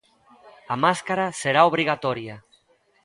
A máscara será obrigatoria.